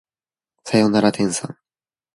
さよなら天さん